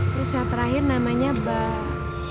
terus yang terakhir namanya bus